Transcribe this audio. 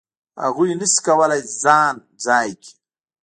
هغوی نه شي کولای ځان ځای کړي.